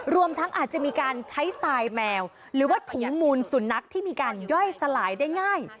รวมทั้งอาจจะมีการใช้ทรายแมวหรือว่าถุงมูลสุนัขที่มีการย่อยสลายได้ง่าย